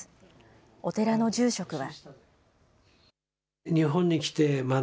お寺の住職は。